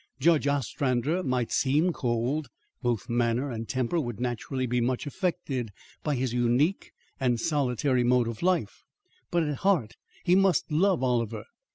Judge Ostrander might seem cold, both manner and temper would naturally be much affected by his unique and solitary mode of life, but at heart he must love Oliver.